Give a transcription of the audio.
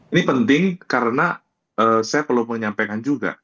ini penting karena saya perlu menyampaikan juga